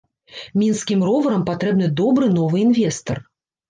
Мінскім роварам патрэбны добры новы інвестар.